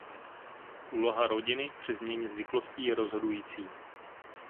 Úloha rodiny při změně zvyklostí je rozhodující.